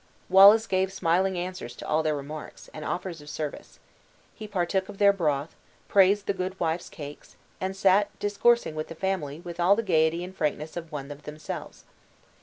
Wallace gave smiling answers to all their remarks, and offers of service. He partook of their broth, praised the good wife's cakes, and sat discoursing with the family with all the gayety and frankness of one of themselves.